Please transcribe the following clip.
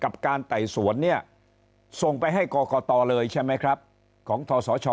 กับการไต่สวนเนี่ยส่งไปให้กรกตเลยใช่ไหมครับของทศช